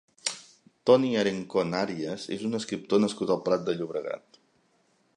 Toni Arencón Arias és un escriptor nascut al Prat de Llobregat.